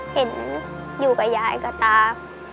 เห็นอยู่กับยายกับตา